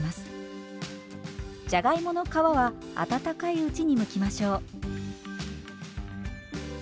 じゃがいもの皮は温かいうちにむきましょう。